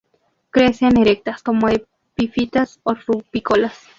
Crecen erectas, como epífitas o rupícolas.